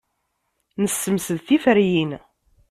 Nessemsed tiferyin.